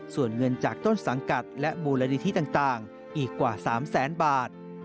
ส่วนเงินจากต้นสังกัดและมูลนิธิต่างอีกกว่า๓แสนบาท